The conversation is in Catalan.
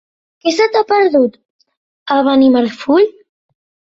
Què se t'hi ha perdut, a Benimarfull?